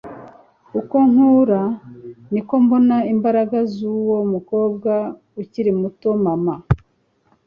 uko nkura, niko mbona imbaraga z'uwo mukobwa ukiri muto, mama